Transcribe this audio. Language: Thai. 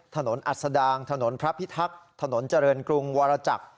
อัศดางถนนพระพิทักษ์ถนนเจริญกรุงวรจักร